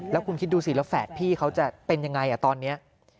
แล้วคุณคิดดูสิลาฝาพี่เขาจะเป็นอย่างไรตอนนี้